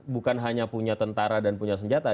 bukan hanya punya tentara dan punya senjata